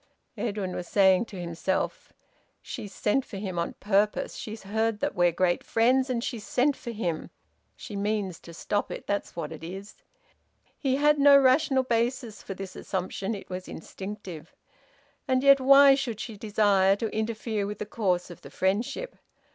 Edwin was saying to himself: "She's sent for him on purpose. She's heard that we're great friends, and she's sent for him! She means to stop it! That's what it is!" He had no rational basis for this assumption. It was instinctive. And yet why should she desire to interfere with the course of the friendship?